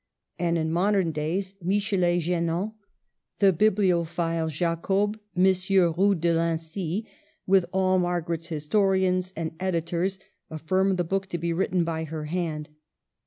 And in modern days Michelet Genin, the bibliophile Jacob, Monsieur Roux de Lincy, with all Margaret's historians and edi tors, affirm the book to be written by her hand.